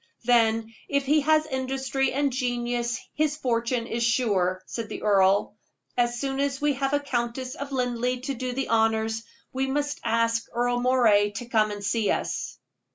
"Then, if he has industry and genius, his fortune is sure," said the earl. "As soon as we have a Countess of Linleigh to do the honors, we must ask Earle Moray to come and see us."